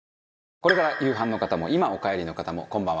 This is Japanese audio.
これから夕飯の方も今お帰りの方もこんばんは。